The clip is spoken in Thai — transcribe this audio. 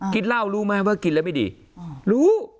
กินเหล้ารู้ไหมว่ากินแล้วไม่ดีรู้